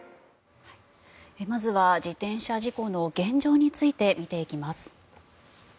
まずは自転車事故の現状について見ていきます。